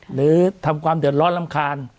หรือทำความเดือดร้อนรำคาญ